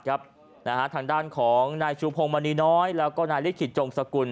ทางด้านของนายชูพงมณีน้อยแล้วก็นายลิขิตจงสกุล